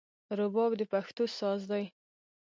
رباب د پښتو ساز دی